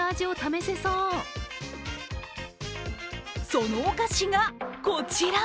そのお菓子が、こちら。